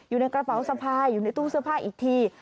อยู่ในกระเป๋าสะพายอยู่ในตู้เสื้อผ้าอีกที